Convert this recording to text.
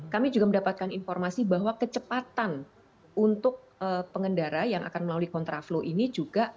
kami juga mendapatkan informasi bahwa kecepatan untuk pengendara yang akan melalui kontraflow ini juga